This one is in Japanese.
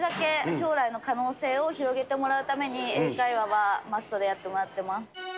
将来の可能性を広げてもらうために、英会話はマストでやってもらってます。